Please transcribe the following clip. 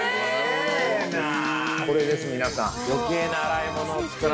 これです皆さん。